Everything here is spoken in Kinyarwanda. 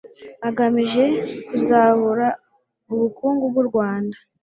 agamije kuzahura ubukungu bw'u Rwanda